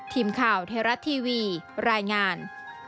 ทีมข่าวไทยรัฐทีวีรายงาน